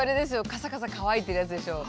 カサカサ乾いてるやつでしょう？